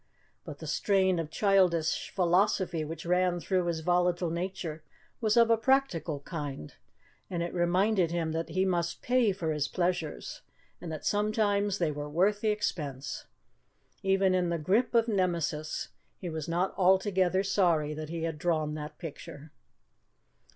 But the strain of childish philosophy which ran through his volatile nature was of a practical kind, and it reminded him that he must pay for his pleasures, and that sometimes they were worth the expense. Even in the grip of Nemesis he was not altogether sorry that he had drawn that picture.